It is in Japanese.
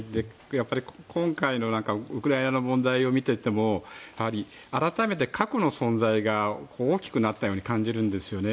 やっぱり、今回のウクライナの問題を見ていても改めて核の存在が大きくなったように感じるんですよね。